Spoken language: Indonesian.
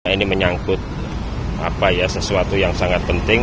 ini menyangkut sesuatu yang sangat penting